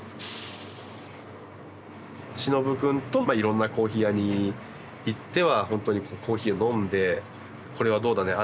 忍くんといろんなコーヒー屋に行ってはほんとにコーヒーを飲んでこれはどうだねああ